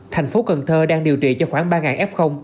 thành phố cần thơ đang điều trị cho khoảng ba f